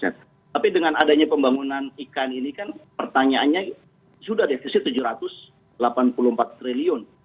tapi dengan adanya pembangunan ikan ini kan pertanyaannya sudah defisit rp tujuh ratus delapan puluh empat triliun